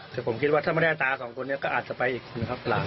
แต่ผมคิดว่าถ้าไม่ได้ตาสองคนนี้ก็อาจจะไปอีกนะครับหลาน